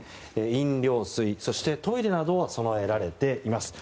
飲料水、そしてトイレなどが備えられています。